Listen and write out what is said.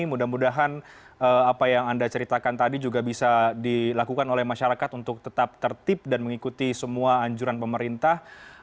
mudah mudahan apa yang anda ceritakan tadi juga bisa dilakukan oleh masyarakat untuk tetap tertib dan mengikuti semua anjuran pemerintah